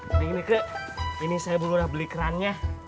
ini ini ke ini saya belum udah beli kerannya